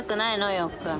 よっくん。